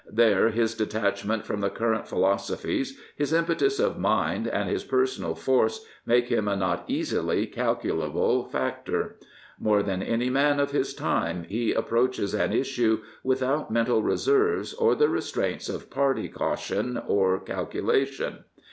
There his detachment from the current philosophies, his impetus of mind and his personal force make him a not easily calculable factor. More than any man of his time, he approaches an issue without mental reserves or the restraints of party caution or calculation.